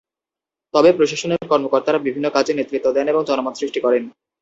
তবে প্রশাসনের কর্মকর্তারা বিভিন্ন কাজে নেতৃত্ব দেন এবং জনমত সৃষ্টি করেন।